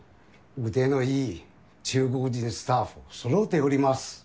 腕のいい中国人スタッフそろえております。